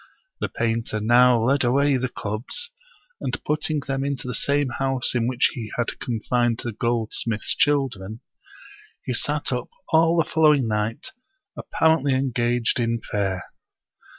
The painter now led away the cubs, and putting them into the same house in which he had confined the goldsmith's children, he sat up all the following night apparently engaged in prayer.